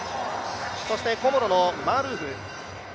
そしてコモロのマールフー。